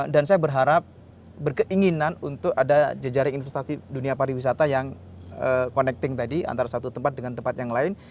dan saya berharap berkeinginan untuk ada jejaring investasi dunia pariwisata yang connecting tadi antara satu tempat dengan tempat yang lain